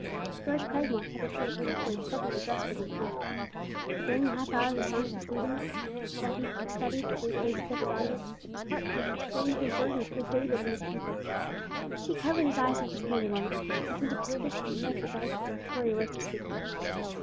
George Cragmore had prepared a carefully studied address for the occasion; but during the half hour of the song service preceding it, while he studied the faces of his audience, his heart began to be strangely burdened for David and his people. He covered his eyes with his hand a moment, and sent up a swift prayer for guidance, before he arose to speak.